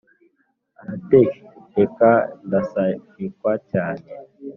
aratereka ndasarikwa cyane